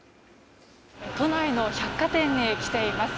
都内の百貨店に来ています。